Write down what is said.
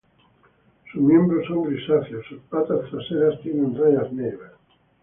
Sus miembros son grisáceos; sus patas traseras tienen rayas negras.